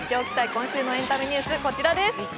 今週のエンタメニュース、こちらです。